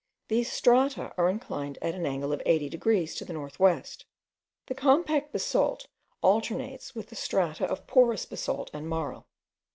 These strata are inclined at an angle of 80 degrees to the north west. The compact basalt alternates with the strata of porous basalt and marl.